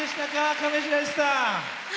上白石さん。